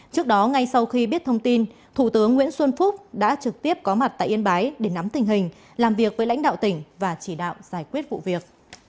trước đó ngay sau khi biết thông tin thủ tướng nguyễn xuân phúc đã trực tiếp có mặt tại yên bái để nắm tình hình làm việc với lãnh đạo tỉnh và chỉ đạo giải quyết vụ việc